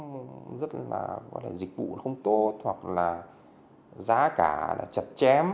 cũng rất là dịch vụ không tốt hoặc là giá cả là chật chém